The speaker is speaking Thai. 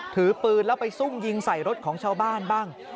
ถือปืนแล้วไปซุ่มยิงใส่รถของชาวบ้านบ้าง